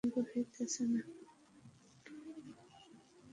কিন্তু যাই বল পাত্রটি আমার পছন্দ হইতেছে না।